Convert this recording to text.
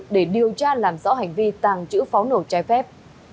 đang làm rõ hành vi tàng chữ pháo nổ trái phép